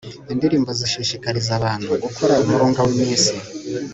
indirimbo zishikariza abantu gukora umurunga w'iminsi